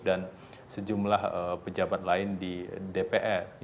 dan sejumlah pejabat lain di dpr